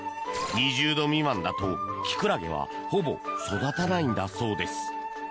２０度未満だとキクラゲはほぼ育たないのだそうです。